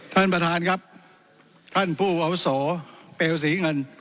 ท่านประธานครับท่านผู้อาวุโสเปลวศรีเงิน